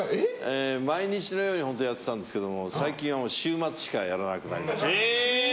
毎日のように本当やってたんですけども最近は週末しかやらなくなりました。